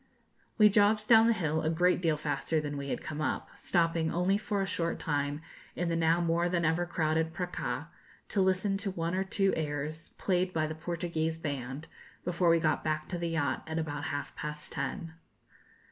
We jogged down the hill a great deal faster than we had come up, stopping only for a short time in the now more than ever crowded 'Praça,' to listen to one or two airs played by the Portuguese band, before we got back to the yacht at about half past ten.